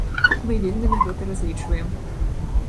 Мы вельмі на гэта разлічваем.